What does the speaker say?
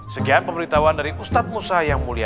sekian pemberitahuan dari ustadz musa yang mulia